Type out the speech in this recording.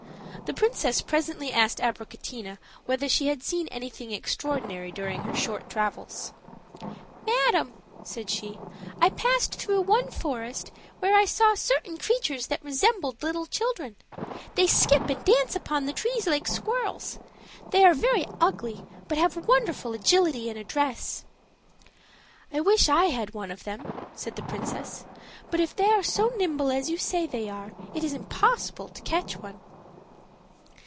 The princess presently asked Abricotina whether she had seen anything extraordinary during her short travels. "Madam," said she, "I passed through one forest where I saw certain creatures that resembled little children: they skip and dance upon the trees like squirrels; they are very ugly, but have wonderful agility and address." "I wish I had one of them," said the princess; "but if they are so nimble as you say they are, it is impossible to catch one."